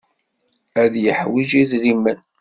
Ad yeḥwij idrimen.